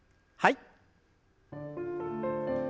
はい。